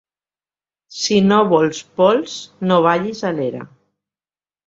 Si no vols pols, no vagis a l'era.